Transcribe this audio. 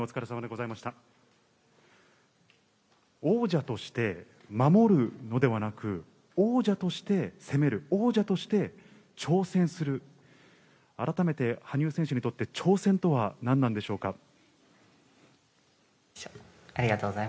王者として守るのではなく、王者として攻める、王者として挑戦する改めて羽生選手にとって挑戦とは何なんでしょうか。